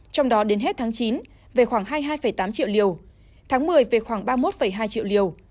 trong đó đến hết tháng chín về khoảng hai mươi hai tám triệu liều tháng một mươi về khoảng ba mươi một hai triệu liều